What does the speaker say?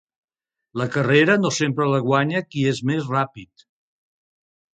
La carrera no sempre la guanya qui és més ràpid.